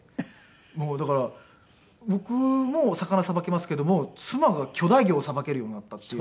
もうだから僕も魚さばけますけども妻が巨大魚をさばけるようになったっていう。